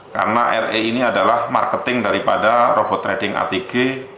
karena re ini adalah marketing daripada robot trading atg